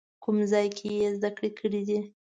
کوم ځای کې یې زده کړې کړي؟